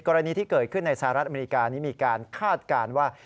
กรณีที่เกิดขึ้นในสหรัฐอเมริกานี้มีการคาดการณ์ว่า